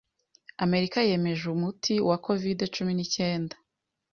Amerika yemeje 'umuti' wa Covid-cumi ni cyenda